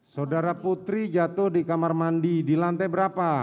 saudara putri jatuh di kamar mandi di lantai berapa